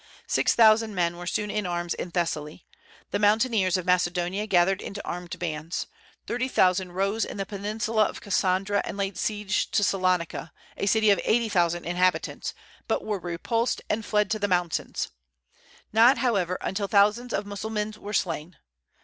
Six thousand men were soon in arms in Thessaly. The mountaineers of Macedonia gathered into armed bands. Thirty thousand rose in the peninsula of Cassandra and laid siege to Salonica, a city of eighty thousand inhabitants, but were repulsed, and fled to the mountains, not, however, until thousands of Mussulmans were slain.